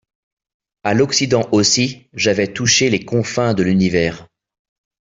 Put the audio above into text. À l’occident aussi, j’avais touché les confins de l’univers.